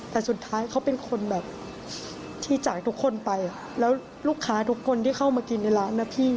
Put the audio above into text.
แต่สุดท้ายเขาเป็นคนแบบที่จากทุกคนไปแล้วลูกค้าทุกคนที่เข้ามากินในร้านนะพี่